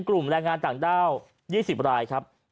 แรงงานต่างด้าว๒๐รายครับ